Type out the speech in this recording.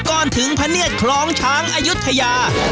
ก่อนถึงพะเนียดคลองช้างอายุทยา